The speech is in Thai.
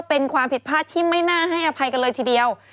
เป็นความผิดพลาดที่ไม่น่าให้อภัยกันเลยทีเดียว